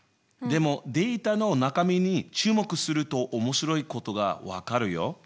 でもデータの中身に注目すると面白いことが分かるよ。